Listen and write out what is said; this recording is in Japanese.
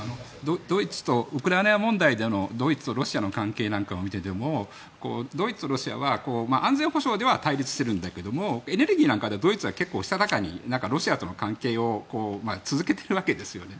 ウクライナ問題のドイツとロシアの関係なんかを見ているとドイツ、ロシアは安全保障では対立してるんだけどエネルギーなんかではドイツは結構したたかにロシアとの関係を続けているわけですね。